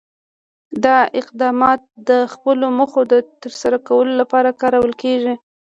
دا اقدامات د خپلو موخو د ترسره کولو لپاره کارول کېږي.